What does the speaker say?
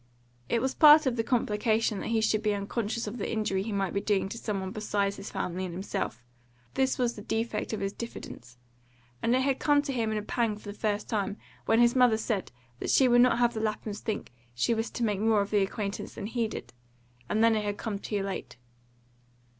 It was part of the complication that he should be unconscious of the injury he might be doing to some one besides his family and himself; this was the defect of his diffidence; and it had come to him in a pang for the first time when his mother said that she would not have the Laphams think she wished to make more of the acquaintance than he did; and then it had come too late.